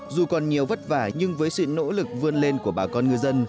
dù còn nhiều vất vả nhưng với sự nỗ lực vươn lên của bà con ngư dân